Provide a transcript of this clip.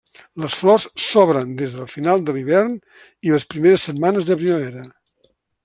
Les flors s'obren des de final de l'hivern i les primeres setmanes de primavera.